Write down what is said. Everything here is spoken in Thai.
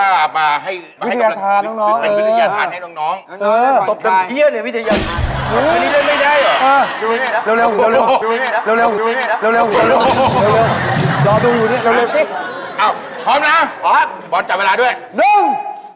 เอาลิฟท์แจ้ง